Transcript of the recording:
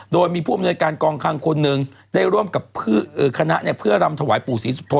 โดยมีผู้อำนวยการกองคังคนหนึ่งได้ร่วมกับคณะเพื่อรำถวายปู่ศรีสุโธ